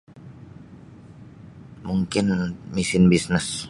Mungkin misin bisnes.